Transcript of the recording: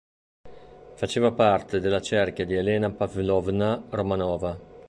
Faceva parte della cerchia di Elena Pavlovna Romanova.